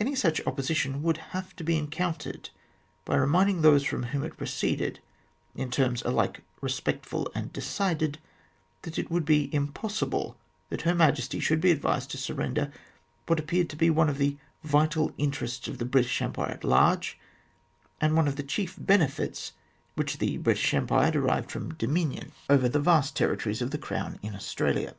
Any such opposition would have to be encountered by reminding those from whom it proceeded, in terms alike respectful and decided, that it would be impossible that Her Majesty should be advised to surrender what appeared to be one of the vital interests of the British Empire at large, and one of the chief benefits which the British Empire derived from dominion over the 28 THE GLADSTONE COLONY vast territories of the Crown in Australia.